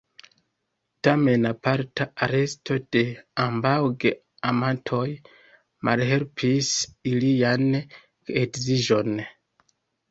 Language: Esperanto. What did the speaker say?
Tamen aparta aresto de ambaŭ geamantoj malhelpis ilian geedziĝon.